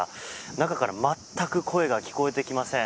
中から全く声が聞こえてきません。